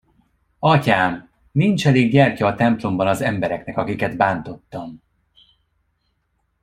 Atyám, nincs elég gyertya a templomban az embereknek, akiket bántottam.